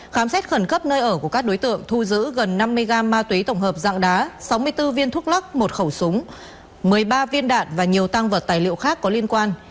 khám xét khẩn cấp nơi ở của các đối tượng thu giữ gần năm mươi gram ma túy tổng hợp dạng đá sáu mươi bốn viên thuốc lắc một khẩu súng một mươi ba viên đạn và nhiều tăng vật tài liệu khác có liên quan